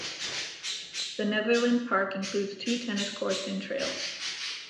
The Netherland Park includes two tennis courts and trails.